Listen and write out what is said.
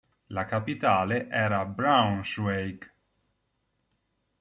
La capitale era Braunschweig.